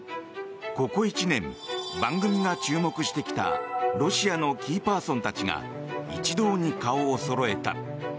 ここ１年、番組が注目してきたロシアのキーパーソンたちが一堂に顔をそろえた。